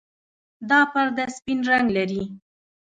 دا پرده سپین رنګ لري.